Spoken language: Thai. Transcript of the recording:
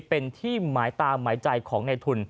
เป็นที่หมายตามหมายใจของในทุน